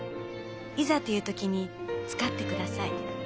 いざという時に使って下さい。